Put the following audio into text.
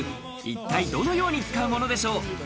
一体どのように使うものでしょう。